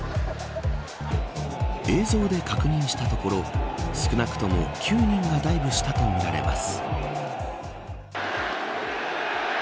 映像で確認したところ少なくとも９人がダイブしたとみられます。